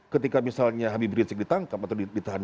ketika misalnya habib rizik ditangkap atau ditahan